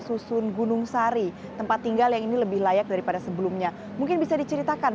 susun gunung sari tempat tinggal yang ini lebih layak daripada sebelumnya mungkin bisa diceritakan